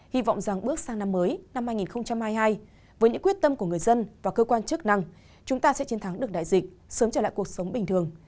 hy vọng rằng bước sang năm mới năm hai nghìn hai mươi hai với những quyết tâm của người dân và cơ quan chức năng chúng ta sẽ chiến thắng được đại dịch sớm trở lại cuộc sống bình thường